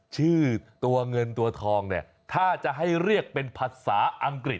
ชื่อตัวเงินตัวทองเนี่ยถ้าจะให้เรียกเป็นภาษาอังกฤษ